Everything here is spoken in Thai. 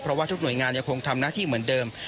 เพราะว่าทุกหน่วยงานยังคงทำหน้าที่เหมือนเดิม